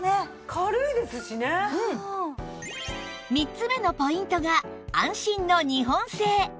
３つ目のポイントが安心の日本製